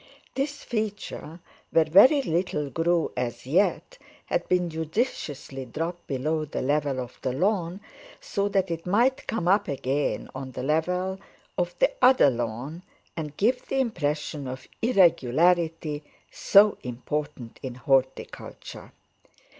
This feature, where very little grew as yet, had been judiciously dropped below the level of the lawn so that it might come up again on the level of the other lawn and give the impression of irregularity, so important in horticulture.